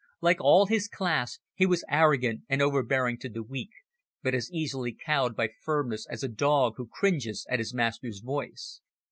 Like all his class, he was arrogant and overbearing to the weak, but as easily cowed by firmness as a dog who cringes at his master's voice.